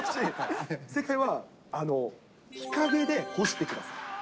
正解は、日陰で干してください。